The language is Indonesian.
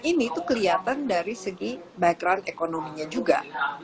ini tuh kelihatan dari segi background ekonominya juga